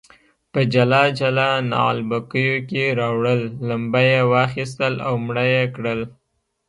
په جلا جلا نعلبکیو کې راوړل، لمبه یې واخیستل او مړه یې کړل.